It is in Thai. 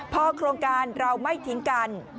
พอโครงการเราไม่ทิ้งกัน